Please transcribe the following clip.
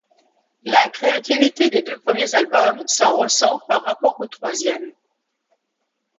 La créativité des deux premiers albums s'en ressent par rapport au troisième.